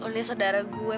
oh li saudara saya